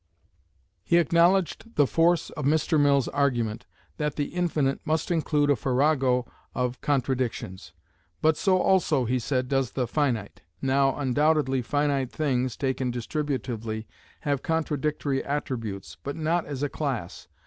He acknowledged the force of Mr. Mill's argument, that "The Infinite" must include "a farrago of contradictions;" but so also, he said, does the Finite. Now undoubtedly finite things, taken distributively, have contradictory attributes, but not as a class.